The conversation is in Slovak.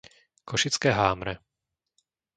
Košické Hámre